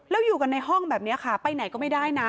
แล้วอยู่กันในห้องแบบนี้ค่ะไปไหนก็ไม่ได้นะ